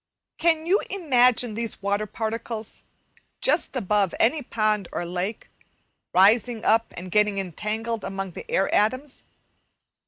Can you imagine these water particles, just above any pond or lake, rising up and getting entangled among the air atoms?